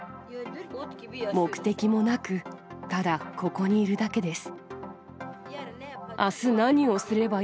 目的もなく、ただここにいるだけです。